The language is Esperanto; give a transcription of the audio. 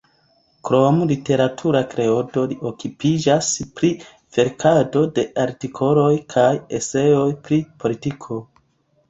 Krom literatura kreado, li okupiĝas pri verkado de artikoloj kaj eseoj pri politiko.